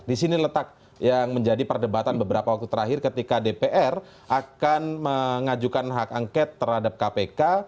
di sini letak yang menjadi perdebatan beberapa waktu terakhir ketika dpr akan mengajukan hak angket terhadap kpk